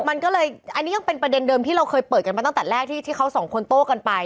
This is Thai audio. มันก็เลยอันนี้ยังเป็นประเด็นเดิมที่เราเคยเปิดกันมาตั้งแต่แรกที่เขาสองคนโต้กันไป